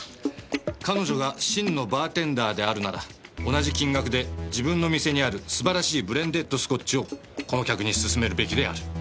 「彼女が真のバーテンダーであるなら同じ金額で自分の店にある素晴らしいブレンデッドスコッチをこの客に勧めるべきである。